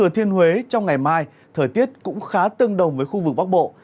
trong ngày mai thời tiết cũng khá tương đồng với khu vực bắc bộ